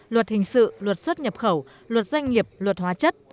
luật hình sự luật xuất nhập khẩu luật doanh nghiệp luật hóa chất